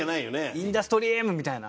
「インダストリーム」みたいな。